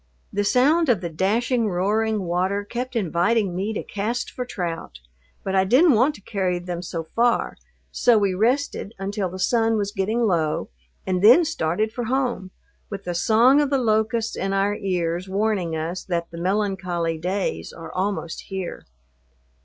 The sound of the dashing, roaring water kept inviting me to cast for trout, but I didn't want to carry them so far, so we rested until the sun was getting low and then started for home, with the song of the locusts in our ears warning us that the melancholy days are almost here.